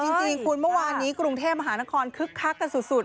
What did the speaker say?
จริงคุณเมื่อวานนี้กรุงเทพมหานครคึกคักกันสุด